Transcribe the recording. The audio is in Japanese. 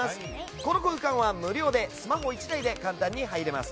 この空間は無料でスマホ１台で簡単に入れます。